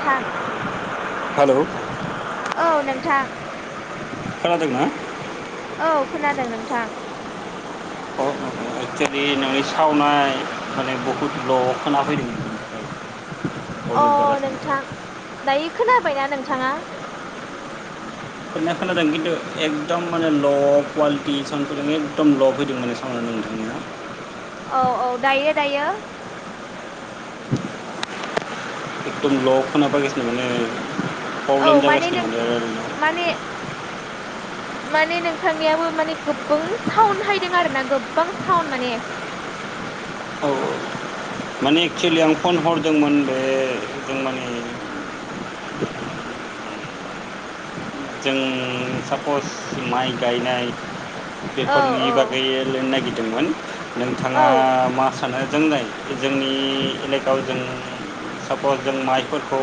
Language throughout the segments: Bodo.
थां हाल' औ नोंथां। खोनादों ना? औ खोनादों नोंथां। [unintelligible] एकस्युलि नोंनि सावना माने बहुद ल'आव खोनाफैदों। अ प्रब्लेम जागासिनो नोंथां दायो खोनाबायना नोंथाङा? खोनाया खोनादों खिन्थु एकदम माने ल' कुवालिटि साउन्ड फैदों एकदम ल' फैदों माने साउन्डआ। नोंथांनिया औ औ दायो दायो एदम ल खोनाफैगासिनो। औ माने नों माने [unintelligible] माने नोंथांनियाबो माने गोबां साउन्डहायदों आरो ना गोबां साउन्ड माने। औ माने एक्सुलि आं फन हरदोंमोन बे जों माने [inaudible] जों सापस माइ गायनाय औ बेफोरनि औ बागै लिरनो नागिरदोंमोन औ नोंथाङा मास सानो जोंनाय जोंनि एलेकायाव जों सापस जों माइफोरखौ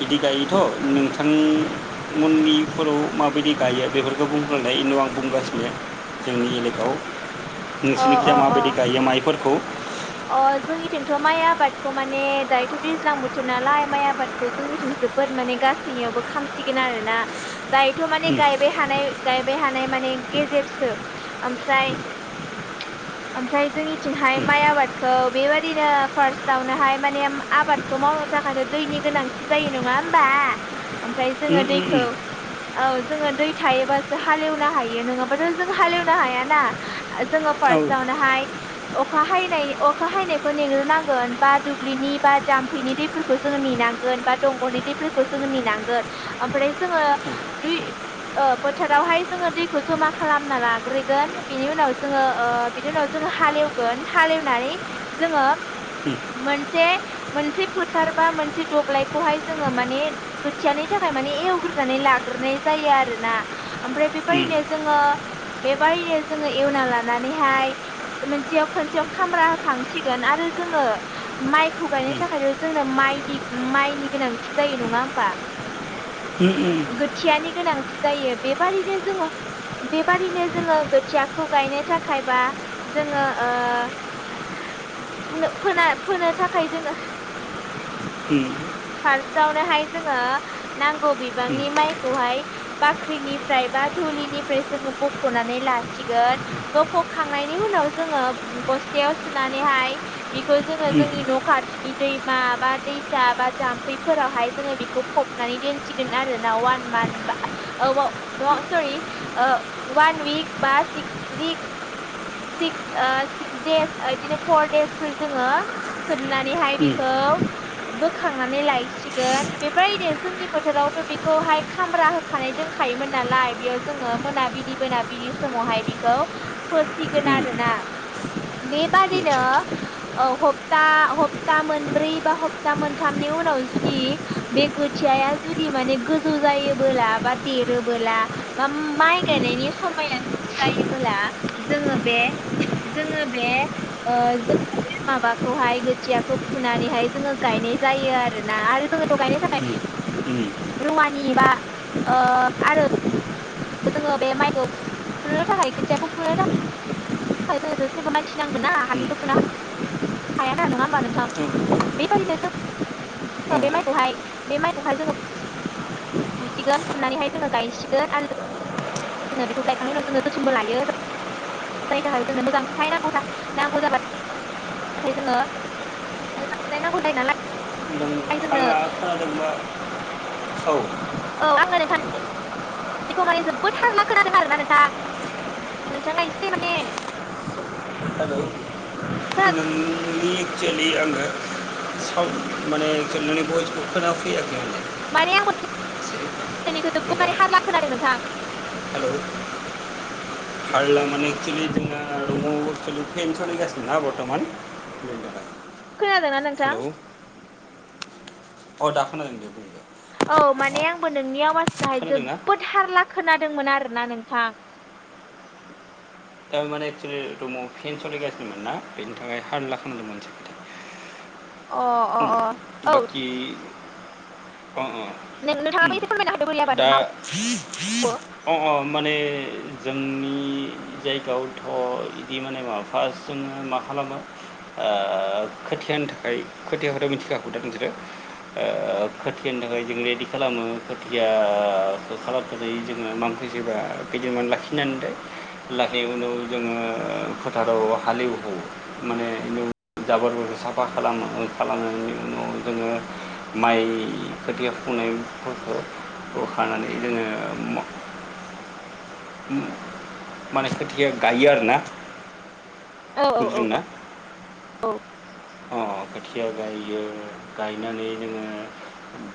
बिदि गायोथ नों थां उननि फोराव माबायदि गायो बेफोरखौ बुंग्राय उनाव आं बुंगासिनो। जोंनि एलेकायाव अ नोंसोरनिखिया अ अ माबायदि गायो माइफोरखौ? अ जोंनिथिंथ' माइ आबादखौ माने दायोथ' दैज्लां बोथोर नालाय माइ आबादखौ जोंनिथिं जोबोद माने गासैनियावबो खामसिगोन आरोना दायोथ माने गायबाय हानाय गायबाय हानाय माने गेजेरसो आमफ्राय आमफ्राय जोंनिथिंहाय माइ आबाद खौ बेबायाददिनो फार्स्टावनोहाय माने आबादखौ मावनो थाखायथ' दैनि गोनांथि जायो नङा होमबा ओमफ्राय जोङो दैखौ औ जोङो दै थायोबासो हालेवनो हायो नोङाबाथ' जों हालेवनो हायाना जोङो औ फार्स्टावनोहाय अखा हायनाय अखा हायनायखौ नेग्रोनांगोन बा दुब्लिनि बा जामफैनि दैफोरखौ जोङो नेनांगोन बा दंग'नि [unintelligible] नेनांगोन आमफ्राय जोङो दुइ ओ बोथोरावहाय जोङो दैखौ जमा खालामना लाग्रोगोन बिनि उनाव जोङो ओ बिनि उनाव जोङो हालेवगोन हालेवनानै जोङो मोनसे मोनसे फोथार बा मोनसे दब्लायखौहाय जोङो माने खोथियानि था खाय माने एवग्रोनानै लाग्रोनाय जायो आरो ना ओमफ्राय बेबारिनो जोङो बेबारिनो जोङो एवना लानानैहाय मोनसेयाव खनसेयाव खामब्रा होखांसिगोन आरो जोङो माइखौ गायनो थाखायथ' जोंनो माइनि माइनि गोनांथि जायो नङा होमबा गोथियानि गोनांथि जायो बेबारैनो जोङो बेबादिनो जोङो गोथियाखौ गायनो थाखाय बा जोङो ओ फुनो फोना फोनो थाखाय जोङो [unintelligible] फार्स्टआवनोहाय जोङो नांगौ बिबांनि माइखौहाय बाख्रिनिफ्राय बा धुलिनिफ्राय जोङो बख'नानै लासिगोन बख'खांनायनि उनाव जोङो बस्थायाव सोनानैहाय बेखौ जोङो जोंनि न' खाथिनि दैमा बा दैसा बा जामफै फोराव हायो जोङो बेखौ फबनानै दोनसिगोन आरो वान‌ मानथ बा ओ नङा सरि ओ वान उइक बा सिक्स उइक सिक्स ओ सिक्स देस बिदिनो फर देसफोर जोङो सोमनानैहाय बेखौ बोखांनानै लायसिगोन बेबायदि जोंनि फोथारावथ' बेखौहाय खामब्रा होखानाय दोंखा योमोन नालाय बेयाव जोङो मोनाबिलि मोनाबिलि समावहाय बेखौ फोसिगोन आरोना [unintelligible] बेबादिनो ओ हप्ता हप्ता मोनब्रै बा हप्ता मोनथामनि उनाव जुदि बे गोथियाया जुदि माने गोजौ जायोबोला बा देरोबोला आ माइ गायनायनि समाया जायोबोला जोङो बे जोङो बे ओ जोङो [unintelligible] बे माबाखौहाय गोथियाखौ फुनानैहाय जोङो गायनाय जायो आरोना आरो जोङोथ' गायनो थाखाय आदसा रुवानि बा ओ आरो जोङो बे माइखौ फुनो थाखाय गोथियाखौ फुनो थाखाय थाखायथ' जोंनो जेनेबा मानसि नांगोन ना हासिङैथ' फुना [unintelligible] हाया ना नङा होमबा नोंथां बेबायदिनो जों बे आंहा माइखौहाय बे माइखौहाय जोङो फु फुसिगोन फुनानैहाय जोङो गायसिगोन आरो जोङो बेखौ गायखांनायनि उनाव जोङो जोथोनबो लायो [unintelligible] थाखाय जोंनो मोजां फिथाइ नांगौ जा नांगौ जाबाय नाथाय जोङो मोजां फिथाइ नांगौ जायो नालाय जोंनो नोंथाङा खोनादों बा [unintelligible] औ औ आङो नोंथां [unintelligible] बेखौ माने जोबोद हारला खोनादों आरोना नोंथां नोंथाङा एसे माने हेलौ खोना बे आङो सावन माने नोंनि बयसखौ खोना फैयाखै [unintelligible] माने आंबो जोबबो मोजां मारे हारला खोनादों नोंथां [unintelligible] हेलौ हारला माने एक्सुेलि जोंना रुमाव फेन सोलिगासिनो ना बर्थ'मान [unintelligible] खोनादोंना नोंथां औ दा खोनादों दे बुं औ अ माने आंबो नोंनि आवाजखौहाय खोनादोंना जोबोद हारला खोनादोंमोन आरोना नोंथां दा माने एक्सलि रुमाव फेन सोलिगासिनोमोन ना बेनि थाखाय हारला खालामांदों मोनसे खो अ अ अ औ बाखि अ अ नों- नोंथाङाबो उम एसे फोरमायना होदो बोरै आबाद दा मावो औ अ अ माने जोंनि जायगायावथ' इदि माने माबा फार्स्ट जोङो मा खालामो आ खोथियानि थाखाय खोथियाखौथ मिथिखाखौ दा नोंसोरो खोथियानि थाखाय जों रेडि खालामो खोथिया खालामखनानै जोङो मांखोसेबा खैदीनमान लाखिनानै लाहै उनाव जोङो फोथाराव हालेवगौ माने जाबोरखौ साफा खालामो खालामनायनि उनाव जोङो माइ खोथिया फुनायफोरखौ खौ खानानै जोङो माने खोथिया गायो आरोना। औ औ बुजिदों ना? औ अ खोथिया गायो गायनानै जोङो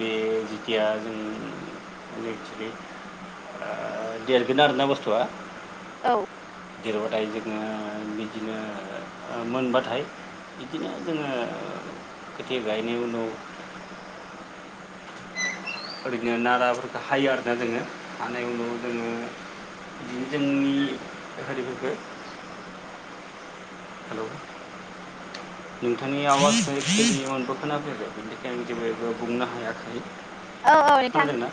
बे जिथिया जों एक्सलि आ देरगोन आरोना बुस्थुआ औ गेरबाथाय जोङो बिदिनो ओ मोनबाथाय बिदिनो जोङो खोथिया गायनायनि उनाव ओरैनो नाराफोरखौ हायो आरोना जोङो हानाय उनाव जोङो बिदिनो जोंनि होरिफोरखो [inaudible] हेलौ नोंथांनि आवसनि अनबो खोनाफैयाखै। आं जेबो बुंनो हायाखै खोनादोंना?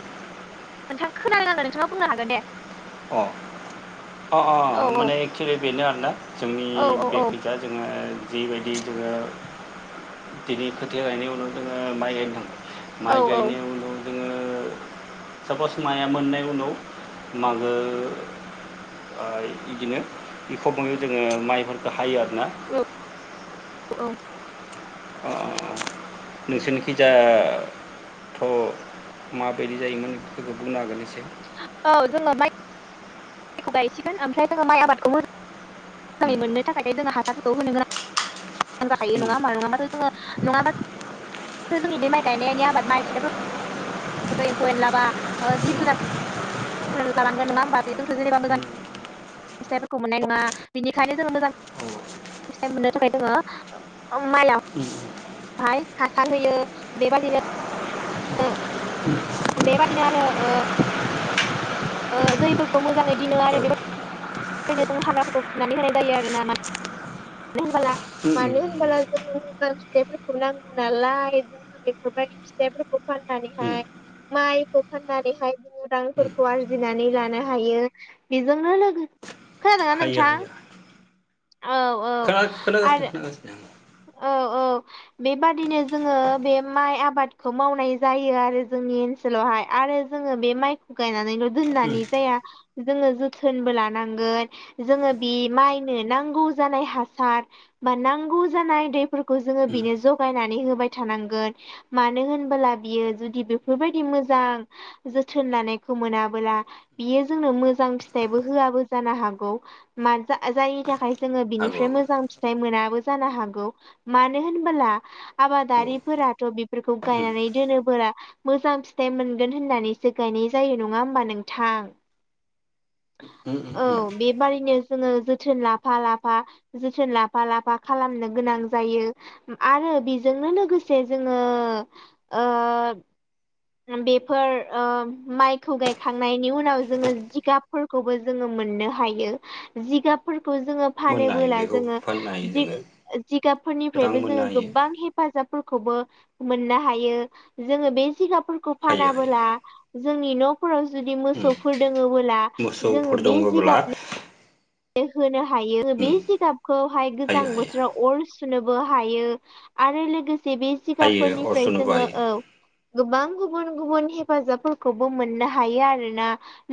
नोंथाङा खोनानो नांगोन नोंथाङा बुंनो हागोन दे। अ अ औ अ माने एक्सुलि बेनो आरोना जोंनि औ औ बेखैजा जोङो जिबायदि जोङो बिनि खोथिया गायनायनि उनाव जोङो माइ गायनो थाङो। माइ औ गायनाय उनाव जोङो साफस माइआ मोननाय उनाव मागो ओ इदिनो एखौबै जोङो माइफोरखौ हायो आरो। औ औ अ नोंसोरनिखिजा थ माबायदि जायोमोन बे बेखौ बुंनो हागोन एसे। औ जोङो माइ माइखौ गायसिगोन ओमफ्राय जोङो माइ आबादखौ मोजां मोजाङै मोननो थाखायनो जोंहा हाथारफोरखौ होनो गोनां मोजां औ जाखायो हायो नङा होमा नङाबाथ' जोङो नङाबा जोंनि बे माइ गायनायनि आबाद माइ फिथाय एम्फौ एनलाबा ओ जिब जुनार ल जालांगोन नङा होमबा बेथ जेनेबा मोजां फिथाइफोरखौ मोननाय नङा। बिनिखायनो जोङ मोजां फिथाय मोननो थाखाय जोङो मायाव बाहाय हासार होयो बेबादिनो बेबादिनो आरो दैफोरखौ मोजाङै दिनो आरो बे बेनो जों हाग्राफोरखौ फुनानै होनाय जायो आरो ना मा होन मानो होनबोला जों मोजां फिथाइफोरखौ नांगौ नालाय जोंफोरखौ माब फिथाइफोरखौ खननानैहाय माइखौ फाननानैहाय बिदांफोरखौ आरजिनानै लानो हायो बेजोंनो लोगो खोनादोंङा नोंथां? औ औ खोना खोनादों आरो नोथां। औ औ बेबादिनो जोङो बे माइ आबादखौ मावनाय जायो आरो जों ओनसोलावहाय आरो जोङो बे माइखौ गायनानै आं दोननानै जाया जोङो थोनबो लानांगोन जोङो बे माइनो नांगौ जानाय हासार बा नांगौ जानाय दैफोरखौ जोङो बिनो जगायनानै होबाय मानो होन बियो जुदि बेफोरबायदि मोजां जोथोन लानाय मोनाबोला बियो जोंनो मोजां फिथाइबो होआबो जानो हागौ जायनि थाखाय जोङो हागौ बिनिफ्राय मोजां फिथाइ मोनाबो जानो हागोन। मानो होनबोला हागौ आबादारिफोराथ बेफोरखौ हागौ गायनानै दोनोबोला मोजां फिथाइ मोनगोन होननानैसो गायनाय जायो नङा हबा नोंथां? ओम ओम औ उम बेबादिनो जोङो जोथोन लाफा लाफा जोथोन लाफा लाफा खालामनो गोनां जायो आरो बेजोंनो लोगोसे जोङो ओ बेफोर ओ माइखौ गायखांनायनि उनाव जोङो जिगाबफोरखौबो जोङो मोननो हायो जिगाबफोरखौ जोङो मोननो हायो फानोबोला बेखौ जोङो फाननो हायो जोङो [unintelligible] रां जिगाबफोरनिफ्रायबो मोननो जोङो हायो गोबां हेफाजाब मोननो हायो जोङो बे जिगाबफोरखौ हायो हायो फानाबोला जोंनि न' फोराव जुदि उम मोसौफोर दोङोबोला मोसौफोर जोङो बे दङब्ला जिगाबनि होनो हायो बे उम जिगाबखौहाय गोजां हायो हायो बोथोराव अर सु सुनोबो हायो आरो लोगोसे बे हायो जिगाबफोरनिफ्राय अरस'नोबो जोङो हायो औ गोबां गुबुन गुबुन हेफाजाबफोरखौबो मोननो हायो आरोना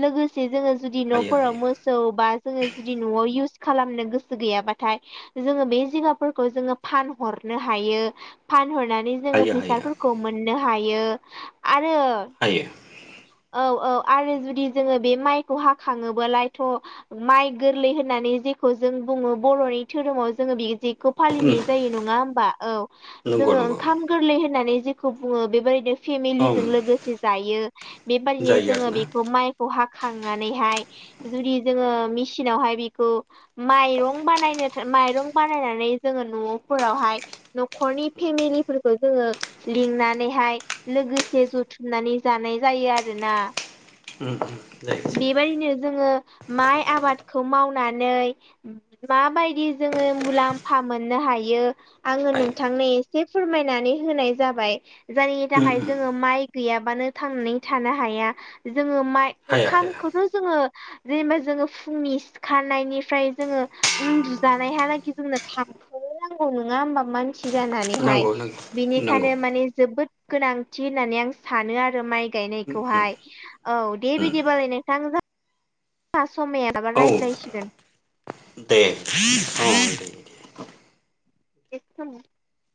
लोगोसे जोङो जुदि हायो हायो नफोराव मोसौ बा जोङो जुदि नआव इउस खालामनो गोसो गैयाबाथाय जोङो बे जिगाफोरखौ जोङो फानहरनो हायो। जोङो हायो हायो फैसाफोरखौ मोननो हायो आ आरो हायो औ औ आरो जुदि जोङो बे माइखौ हाखाङोबोलायथ माइ गोरलै होननानै जेखौ जों बुङो बरनि धोरोमाव जोङो बे खौ उम फालिनाय जायो नङा होनबा औ नंगौ जोङो नंगौ ओंखाम गोरलै होननानै जों बुङो बेफोरबायदि उम फेमिलिजों लोगोसे जायो बेबादिनो जायो जोङो आरोना बेखौ माइखौ हाखांनानैहाय जुदि जोङो मिसि नावहाय बिखौ माइरं बानायनो माइरं बानायनानै जोङो न'फोरावहाय न'खरनि फेमिलिफोरखौ जोङो लिंनानैहाय लोगोसे जुथुमनानै जा जानाय जायो आरोना। उम जायो जायो बेबायदिनो जोङो माइ आबाद खौ मावनानै माबायदि जोङो मुलाम्फा मोननो हायो आङो हायो नोंथांनो एसे फोरमायनानै होनाय जाबाय जायनि उम थाखाय उम जोङो माइ गैयाबानो थांना नानै थानो हाया हाया हाया खामखौथ' जोङो जेनेबा जों फुंनि सिखारनायनिफ्राय जोङो उन्दुजानायहालागि जोंनो थानो नांगौ नङा होनबा मानसि जानानैहाय नंगौ नंगौ नंगौ बिनिखायनो माने जोबोद गोनांथि होननानै आं सानो आरो माइ गायनायखौहाय औ दे बिदिबालाय नोंथां जा समायालाबा औ रायज्लायसिगोन। दे औ दे [inaudible]